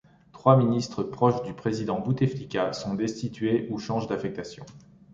Trois ministres proches du président Bouteflika sont destitués ou changent d'affectation.